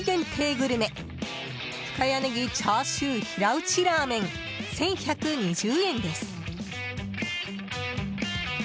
グルメ深谷ネギチャーシュー平打らーめん、１１２０円です。